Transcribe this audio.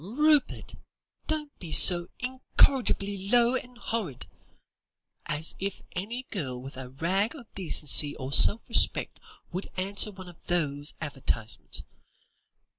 "Rupert! don't be so incorrigibly low and horrid. As if any girl with a rag of decency or self respect would answer one of those advertisements.